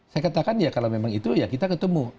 saya katakan ya kalau memang itu ya kita ketemu